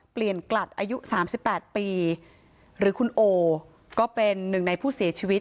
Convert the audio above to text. ปีหรือคุณโอก็เป็นหนึ่งในผู้เสียชีวิต